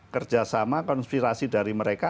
kerjasama konspirasi dari mereka